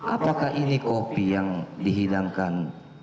apakah ini kopi yang dihidangkan